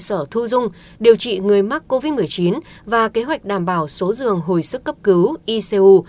cơ sở thu dung điều trị người mắc covid một mươi chín và kế hoạch đảm bảo số giường hồi sức cấp cứu icu